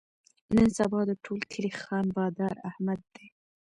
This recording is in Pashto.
نن سبا د ټول کلي خان بادار احمد دی.